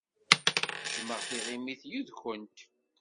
Jjmeɣ tiɣimit yid-went.